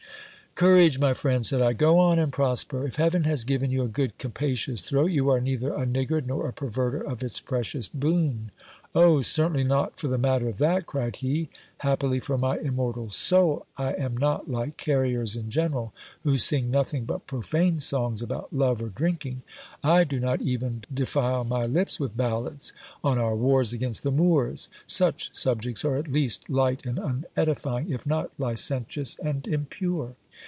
Courage, my friend ! said I ; go on and prosper. If heaven has given you a good capacious throat, you are neither a niggard nor a perverter of its precious boon. Oh! certainly not for the matter of that, cried he ; happily for my immortal soul, I am not like carriers in general, who sing nothing but profane songs about love or drinking : I do not even defile my lips with ballads on our wars against the Moors : such sub jeers are at least light and unedifying, if not licentious and impure.